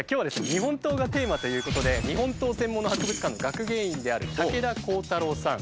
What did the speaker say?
日本刀がテーマということで日本刀専門の博物館の学芸員である武田耕太郎さん。